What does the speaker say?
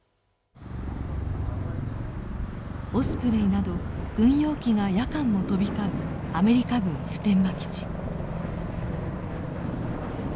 オスプレイなど軍用機が夜間も飛び交うアメリカ軍普天間基地。